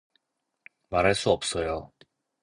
말할 수 없어요.